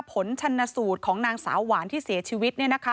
ผลชนสูตรของนางสาวหวานที่เสียชีวิต